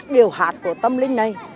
điều hạt của tâm linh này